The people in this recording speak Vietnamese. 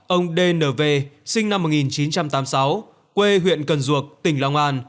ông d n v sinh năm một nghìn chín trăm tám mươi sáu quê huyện cần duộc tỉnh long an